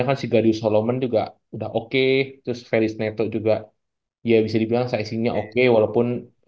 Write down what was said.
kan si gadius solomon juga udah oke terus ferris neto juga ya bisa dibilang sizingnya oke walaupun